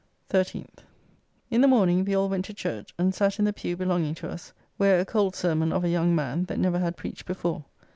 13th. In the morning we all went to church, and sat in the pew belonging to us, where a cold sermon of a young man that never had preached before.